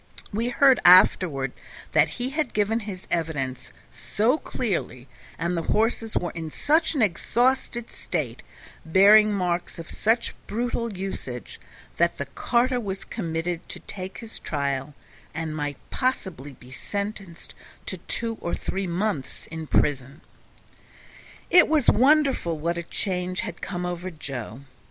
We heard afterward that he had given his evidence so clearly, and the horses were in such an exhausted state, bearing marks of such brutal usage, that the carter was committed to take his trial, and might possibly be sentenced to two or three months in prison. It was wonderful what a change had come over Joe.